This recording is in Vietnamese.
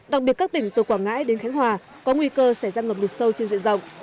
đặc biệt các tỉnh từ quảng ngãi đến khánh hòa có nguy cơ xảy ra ngập lụt sâu trên diện rộng